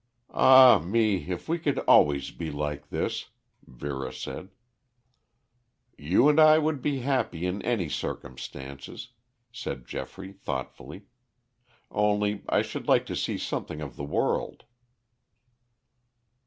"Ah, me, if we could always be like this!" Vera said. "You and I would be happy in any circumstances," said Geoffrey thoughtfully. "Only I should like to see something of the world."